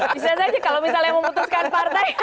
bisa saja kalau misalnya memutuskan partai